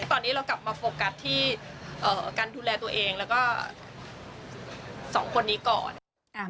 ตอนนี้เรากลับมาโฟกัสที่การดูแลตัวเองแล้วก็สองคนนี้ก่อน